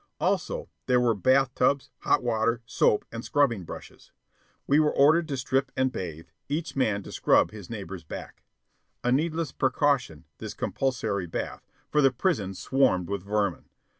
Also, there were bath tubs, hot water, soap, and scrubbing brushes. We were ordered to strip and bathe, each man to scrub his neighbor's back a needless precaution, this compulsory bath, for the prison swarmed with vermin.